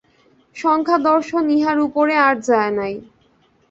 সাংখ্যদর্শন ইহার উপরে আর যায় নাই।